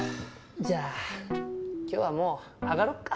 じゃあ今日はもうあがろっか。